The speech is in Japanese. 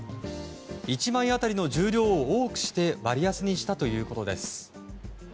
１枚当たりの重量を多くして割安にしたということです。